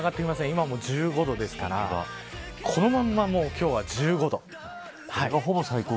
今も１５度ですからこのまま今日は１５度。